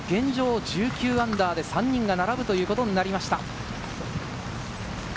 これで現状、−１９で３人が並ぶということになりました。